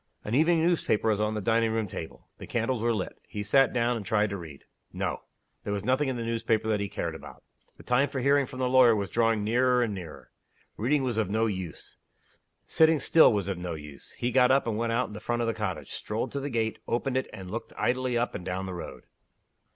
An evening newspaper was on the dining room table. The candles were lit. He sat down, and tried to read. No! There was nothing in the newspaper that he cared about. The time for hearing from the lawyer was drawing nearer and nearer. Reading was of no use. Sitting still was of no use. He got up, and went out in the front of the cottage strolled to the gate opened it and looked idly up and down the road.